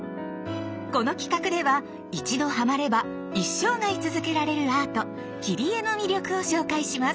この企画では一度ハマれば一生涯続けられるアート「切り絵」の魅力を紹介します。